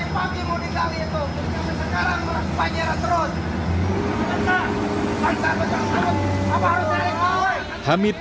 semua dari panggimu di sali itu sekarang penyerah terus